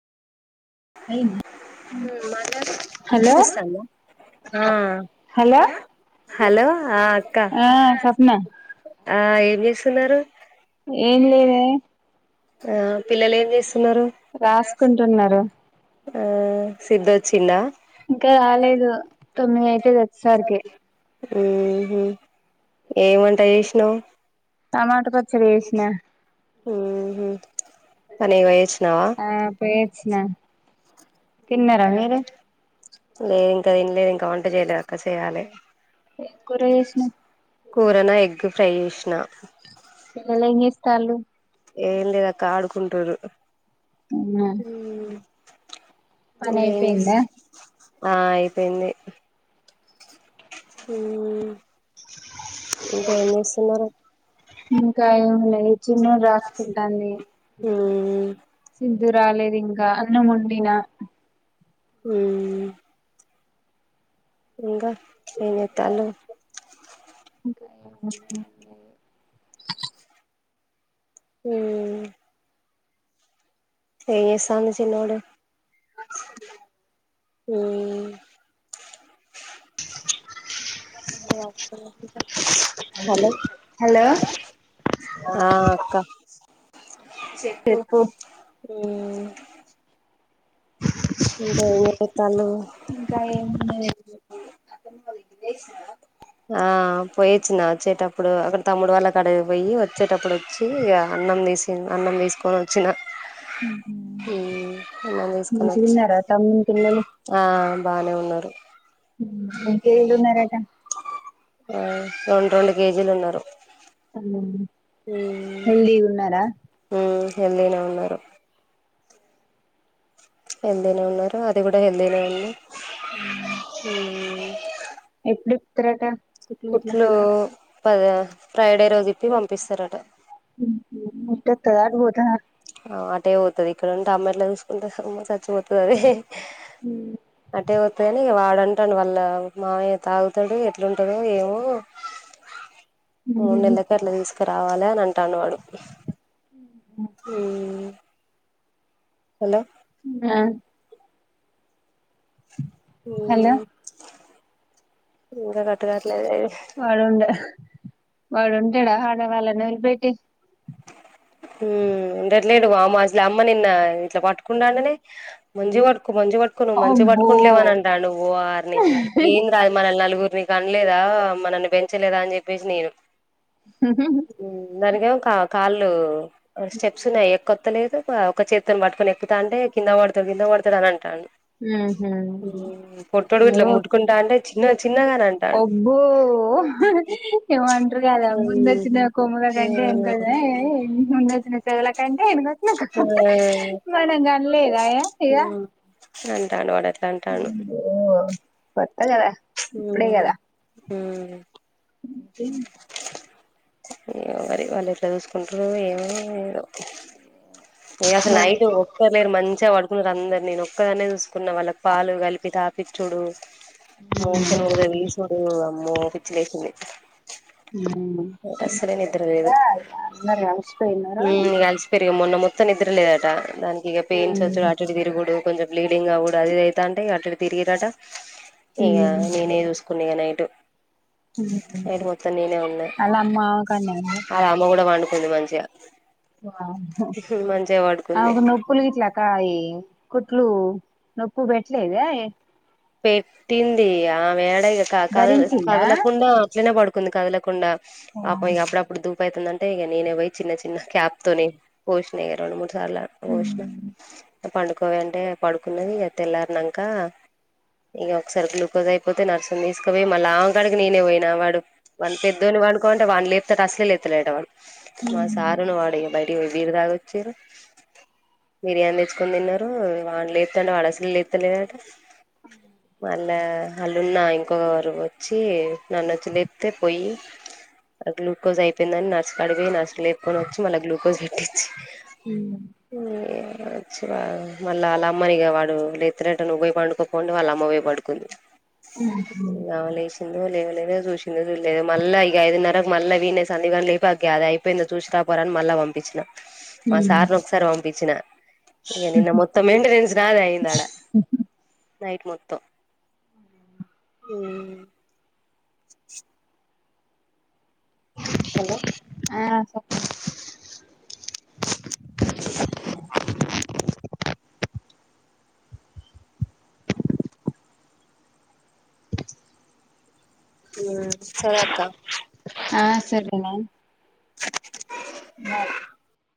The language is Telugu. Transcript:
హలో హలో హలో ఆ అక్క ఆ సప్న ఆ ఏం చేస్తున్నారు ఏన్ లేదె ఆ పిల్లలు ఏం చేస్తున్నారు రాసుకుంటున్నారు ఆ సిద్ధు వచ్చిండా ఇంకా రాలేదు తొమ్మిదయితది వచ్చేసరికె ఆ ఏమ్ వంట చేసినవ్ టమాటో సురేష్ణ [inaudible] ఆ హ్ పనికి పోయి వచ్చినవా వచిన తిన్నరా మీరు లేదు ఇంకా తిన లేదు ఇంకా వంట చేయలేదు అక్క చెయాలి ఏం కూర చేసినవ్ కూరన ఎగ్ ఫ్రై చేసిన పిల్లలేం చేస్తాళ్లు ఏం లేదు అక్క ఆడుకుంటుర్రు అవునా హ్మ్ పని అయిపోయిందా నువ్వేంచేస్తునవ్ ఆ అయిపోయింది హ్మ్ ఇంకా ఏం చేస్తున్నరు ఇంకా ఏం లే చిన్నోడు రాసుకుంటాంది హ్మ్ ఇందు రాలేదు ఇంకా అన్నమొండిన హ్మ్ ఇంకా ఏం చెత్తాళ్ళు హుహ్మ్ హ్మ్ ఏం చేస్తాండు చిన్నోడు హ్మ్ హలో హలో హలో ఆ అక్క చెప్పు హ్మ్ ఇంకా ఏం చెత్తాలు ఇంకా ఏం లేదు ఏమున్నది ఆ పోయిచ్చిన వచ్చేటప్పుడు అక్కడ తమ్ముడు వాళ్ళకాడికి పోయి వచ్చేటప్పుడు వచ్చి ఇగ అన్నం తీసి అన్నం తీసుకొని వచ్చిన హ్మ్ అన్నం తీసుకొని వ మంచిగున్నారా తమ్ముని పిల్లలు ఆ బానే ఉన్నారు ఇంకేడున్నరట ఆ రెండు రెండు కేజీలు ఉన్నారు హ్మ్ హెల్దీగ ఉన్నరా హెల్దీగనే ఉన్నరు హెల్దీనే ఉన్నారు అది కూడా హెల్దీనే ఉంది హ్మ్ ఎప్పుడిప్పుతరట కుట్లు గిట్ల పద ఫ్రైడే రోజు ఇప్పి పంపిస్తారట మట్ట తదారు పోత ఆ అటే పోతది ఇక్కడ ఉంటే అమ్మ ఎట్ల చూసుకుంటది స చ్చిపోతుంది అది అట్టే పోతుందిని వాడుంటాడు వాళ్ళ మామయ తాగుతాడు ఎట్లాంటందో ఏమో మూడు నెలలకి అట్లా తీసుకురావాలి లా అంటాడు వాడు ఉ ఆ హలో హ ఇకా కట్గా వాడుండా వాడుంటడా హడ వాళ్ళనే వె పెటి అంట అట్లేడు అసలే అమ్మ నిన్న ఇట్లా పట్టుకుంటాండని మంచిగా పట్టుకో మంచి పట్టుకో నువ్వు మంచిగా అబ్బో పట్టుకుంటలేవ అని అంటా నువ్వు వారిని ఏం రాదు మనల్ని నలుగురిని కనలేదా మనల్ని పెంచలేదా అని చెప్పేసి నేను ననకే కా కాలు లో ఆ స్టెప్స్ ఉన్నాయి ఎక్కాఅత్తలేదు ప ఒక చెప్ పటుకని ఎక్కుతానటే కింద పడుతరు కింద పడుతరు తరన్ అంటాను ఇట్లా ఉహు ముట్టుకుంటా అంటే చిన్న చిన్నగాని అంటాండు ఒబ్బు ఏమంటారు కదా ముందు హ్మ్ వచ్చిన కొమ్ముగా కంటే ఏం హ్మ్ కదా ముందు వచ్చిన సవుల కంటే ఎనుక వచ్చిన ఆ మనం కనలేదఇగా రంటను వాడ ఓ కొత్త కదా ఇప్పుడే కదా ఉ కిమ్ ఏమో మరి వాళ్ళు ఎట్లా చూసుకుంటారు ఏమో ఏదో ఇగ అసలు నైట్ ఒక్కర్లేరు మంచిగా పడుకున్నారు అందరు నేను చక్కగానే చూసుకున్న వాళ్ళకి పాలు కలిపి తాపిచ్చుడు మోషన్ పోతే తీసుడు అమ్మో పిచ్చి లేసింది అసలే నిద్ర పిల్లలు లేదు కదా అందరు అలసిపోయినారు అలిసిపోయిన మొన్న మొత్తం నిద్ర లేదట దానికి ఇక పెయిన్స్ వచ్చడు అటు ఇటు తిరగుడు కొంచెం బ్లీడింగ్ అవ్వడు అది ఇది అయ్యితాంది ఇగ అటు ఇటు తిరిగి అట ఇగ ఉమ్ నేనే చూసుకున్న ఇగ నైటు హ నైట్ మొత్తం నేనే ఉన్నా కన్నా అల్ల అమ్మ కూడా వండు కొద్ది మంచిగా మంచిగా పడుకుంది ఆమెకు నొప్పులు గుట్లా కాయి కుట్లు నొప్పు పెట్టలేద ఏ పెట్టింది ఆ మే ఇగ కదు భరించిందా కదలకుండా అట్లనే పడు కొన్ని కదలకుండా పాప ఇక అప్పుడప్పుడు దూప ఐతుంది అంటే ఇగ నేనే పోయ్ చిన్న చిన్న క్యాప్తోనే పోస్ నే రొండు మూడు తలకు పోషినా పండుకోవె అంటే పడుకున్నది ఇగ తెల్లారనంక ఇగ ఒకసారి గ్లూకోజ్ అయిపోతే నర్సని తీసుకపోయి మల్ల ఆమె గాడికి నేనే పోయినా వాడు వాని పెద్దోని వంనుకో అంటే వాన్ని లేప్తాతత అస్సలే లేత్తలేట వడు, మా సారును వాడు ఇగ బయటకు పోయ్ బీరు తాగి వచ్చిర్రు, బిర్యానీ తెచ్చుకున్ తిన్నరు, ఇ వాన్ని లేపుతాంటే వాడు అసలే లేత్తలేడట. మళ్ళా అళున్నా ఇంకొవర్ వచ్చి నన్నొచ్చి లేప్తే పొయ్యి గ్లూకోజ్ అయిపెందని నర్స్ కడికి పోయి నర్స్ లేప్ కొని మల్ల గ్లూకోజ్ ఎక్కిచ్చి, య్ చ్చవ మళ్ళ ఆలమ్మనిగా వాడు లేత్తలేట నువ్ పొయ్ పొండి వాళ్ళమ్మవొయ్ పడుకుంది లేసిందో లే లేదొ చుష్ తినదొ లేదొ మళ్ళా ఇగ ఐదున్నరకు మళ్ళా వీన్నే సందిగాన్ని లేపా అ గాదె అయిపోయిందొ చూసి రాపోరా అన్, మళ్ళా పంపించిన మా సార్ ఒకసారి పంపించిన ఇక నిన్న మొత్తం మెయింటెనెన్స్ నాదె అయింది ఆడ నైట్ మొత్తం. ఉ [inaudible] హలో ఆ సెపు ఆ సర అక్క ఆ [inaudible] నయ్